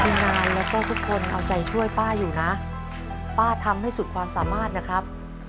ทีมงานแล้วก็ทุกคนเอาใจช่วยป้าอยู่นะป้าทำให้สุดความสามารถนะครับ